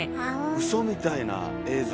うそみたいな映像。